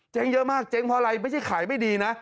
เยอะมากเจ๊งเพราะอะไรไม่ใช่ขายไม่ดีนะ